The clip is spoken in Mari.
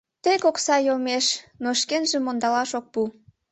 Тек окса йомеш, но шкенжым ондалаш ок пу.